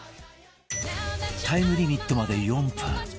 タイムリミットまで４分